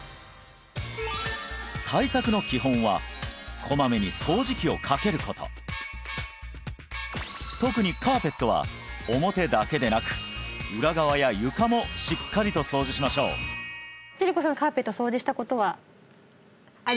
対策の基本はこまめに掃除機をかけること特にカーペットは表だけでなく裏側や床もしっかりと掃除しましょう千里子さん